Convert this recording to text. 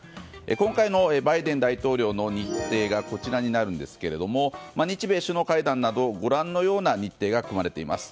今回のバイデン大統領の日程がこちらになるんですが日米首脳会談などご覧のような日程が組まれています。